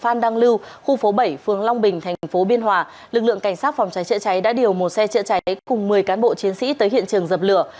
phan đăng lưu khu phố bảy phường long bình thành phố biên hòa lực lượng cảnh sát phòng cháy chữa cháy đã điều một xe chữa cháy cùng một mươi cán bộ chiến sĩ tới hiện trường dập lửa